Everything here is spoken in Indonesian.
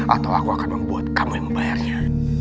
atau aku akan membuat kamu membayarnya